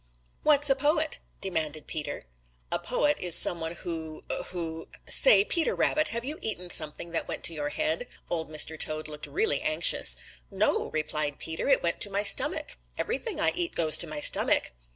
"What's a poet?" demanded Peter. "A poet is some one who who Say, Peter Rabbit, have you eaten something that went to your head?" Old Mr. Toad looked really anxious. "No," replied Peter, "it went to my stomach. Everything I eat goes to my stomach."